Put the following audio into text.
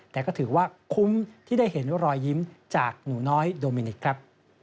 แต่ก็ถือว่าคุ้มที่ได้เห็นรอยยิ้มจากหนูน้อยโดมินิกครับ